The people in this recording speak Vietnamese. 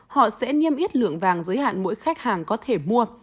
họ sẽ niêm yết lượng vàng giới hạn mỗi khách hàng có thể mua